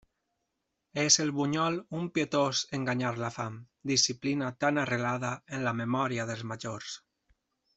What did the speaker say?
És el bunyol un pietós enganyar la fam, disciplina tan arrelada en la memòria dels majors.